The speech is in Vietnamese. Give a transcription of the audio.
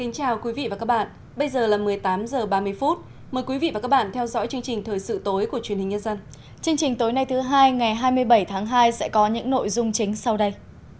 chương trình tối nay thứ hai ngày hai mươi bảy tháng hai sẽ có những nội dung chính sau đây